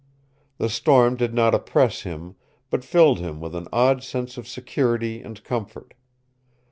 The storm did not oppress him, but filled him with an odd sense of security and comfort.